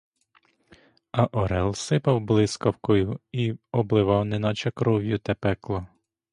А орел сипав блискавкою і обливав неначе кров'ю те пекло.